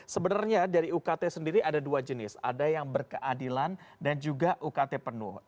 sebenarnya dari ukt sendiri ada dua jenis ada yang berkeadilan dan juga ukt penuh